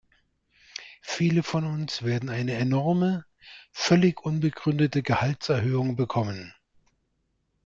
Viele von uns werden eine enorme, völlig unbegründete Gehaltserhöhung bekommen.